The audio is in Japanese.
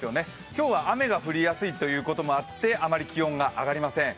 今日は雨が降りやすいということもあってあまり気温が上がりません。